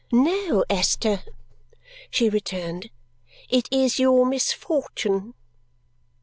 "No, Esther!" she returned. "It is your misfortune!"